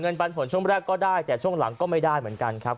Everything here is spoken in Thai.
ปันผลช่วงแรกก็ได้แต่ช่วงหลังก็ไม่ได้เหมือนกันครับ